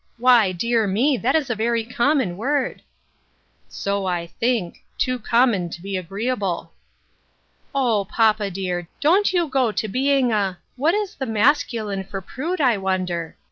Why, dear me ! that is a very common word." " So I think ; too common to be agreeable." "O, papa dear! Don't you go to being a — what is the masculine for prude, I wonder